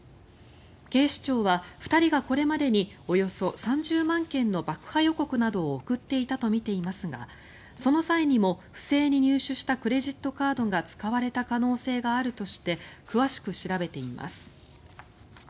警視庁は２人がこれまでにおよそ３０万件の爆破予告などを送っていたとみていますがその際にも不正に入手したクレジットカードが使われた可能性があるとして詳しく調べています。